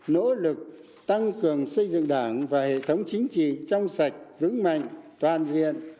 nỗ lực tăng cường xây dựng đảng và hệ thống chính trị trong sạch vững mạnh toàn diện